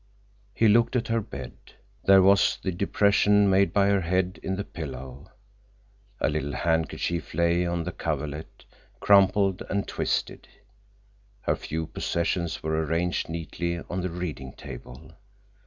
He looked at her bed. There was the depression made by her head in the pillow. A little handkerchief lay on the coverlet, crumpled and twisted. Her few possessions were arranged neatly on the reading table.